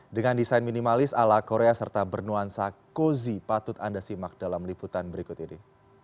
dengan desain minimalis ala korea serta bernuansa cozy patut anda simak dalam liputan berikut ini